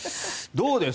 どうです？